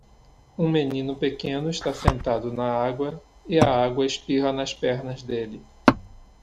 Um menino pequeno está sentado na água e a água espirra nas pernas dele.